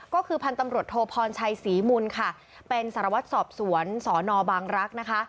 ก็คือพันธุ์ตำรวจโทพรชัยศรีมุนค่ะเป็นสารวัตรสอบสวนสอนอบางรักษ์นะคะ